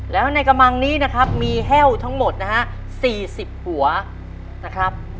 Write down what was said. แล้วในกำมังนี้มีแห้วทั้งหมด๔๐หัวเท่าไหร่นะครับ